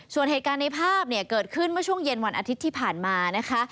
ส่วนเหตุการณ์ในภาพเนี่ยเกิดขึ้นเมื่อช่วงเย็นวันอาทิตย์ที่ผ่านมานะคะ